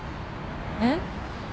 えっ？